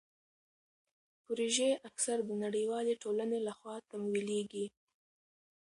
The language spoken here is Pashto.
پروژې اکثر د نړیوالې ټولنې لخوا تمویلیږي.